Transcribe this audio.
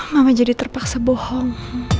mama jadi terpaksa bohong